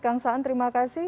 kang saan terima kasih